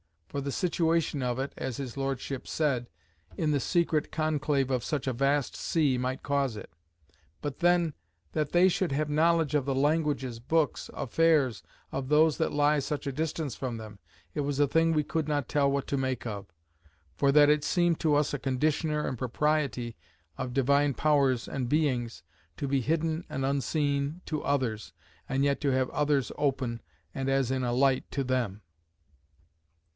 For the situation of it (as his lordship said) in the secret conclave' of such a vast sea might cause it. But then, that they should have knowledge of the languages, books, affairs, of those that lie such a distance from them, it was a thing we could not tell what to make of; for that it seemed to us a conditioner and propriety of divine powers and beings, to be hidden and unseen to others, and yet to have others open and as in a light to them."